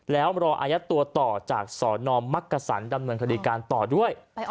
ไปออกทีวีไง